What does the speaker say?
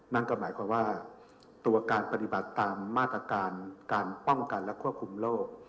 นั่นก็หมายความว่าตัวการปฏิบัติตามมาตรการการป้องกันและควบคุมโรค